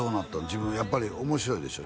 自分やっぱり面白いでしょ？